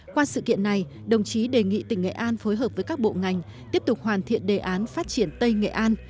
qua sự kiện này đồng chí đề nghị tỉnh nghệ an phối hợp với các bộ ngành tiếp tục hoàn thiện đề án phát triển tây nghệ an